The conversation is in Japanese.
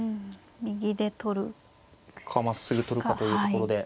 右で取る。かまっすぐ取るかというところで。